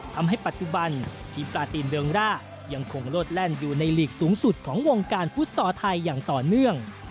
ทำให้ปัจจุบันทีมปลาตินเบิงร่ายังคงโลดแล่นอยู่ในหลีกสูงสุดของวงการฟุตซอลไทยอย่างต่อเนื่อง